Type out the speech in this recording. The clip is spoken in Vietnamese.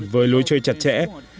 với lối chơi chặt chẽ